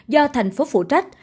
do thành phố phụ trách